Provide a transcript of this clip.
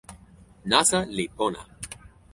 nasa li pona.